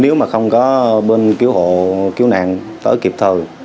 nếu mà không có bên cứu hộ cứu nạn tớ kịp thời